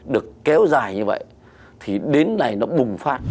được kéo dài như vậy thì đến nay nó bùng phát